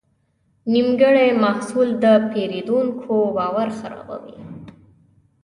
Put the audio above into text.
نیمګړی محصول د پیرودونکي باور خرابوي.